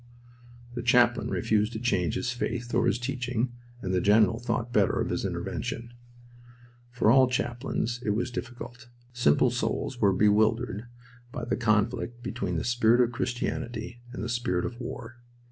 The chaplain refused to change his faith or his teaching, and the general thought better of his intervention. For all chaplains it was difficult. Simple souls were bewildered by the conflict between the spirit of Christianity and the spirit of war.